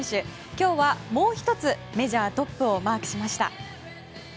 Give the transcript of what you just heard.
今日は、もう１つメジャートップをマークしました。